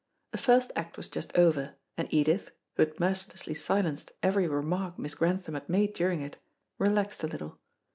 The first act was just over, and Edith, who had mercilessly silenced every remark Miss Grantham had made during it, relaxed a little.